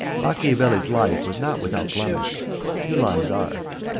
Machiavelli's life was not without blemish few lives are.